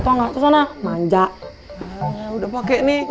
tau gak ke sana manja udah pakai nih mau